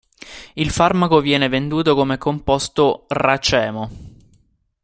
Il farmaco viene venduto come composto racemo.